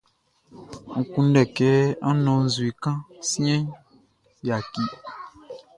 N kunndɛ kɛ ń nɔ́n nzue kan siɛnʼn, yaki.